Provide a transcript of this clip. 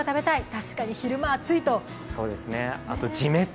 確かに昼間が暑いと。